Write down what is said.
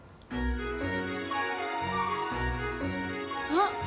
あっ！